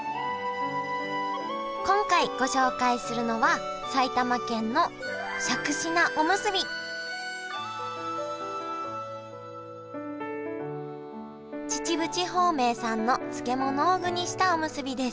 今回ご紹介するのは秩父地方名産の漬物を具にしたおむすびです。